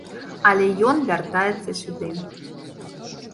Але ён вяртаецца сюды.